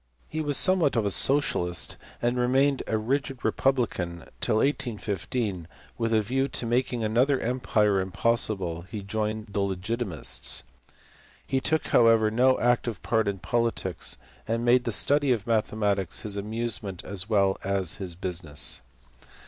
He was somewhat of a socialist, and remained a rigid republican till 1815 when, with a view to making another empire im possible, he joined the legitimists. He took however no active part in politics, and made the study of mathematics his amuse ment as well as his business.